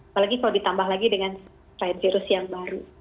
apalagi kalau ditambah lagi dengan virus yang baru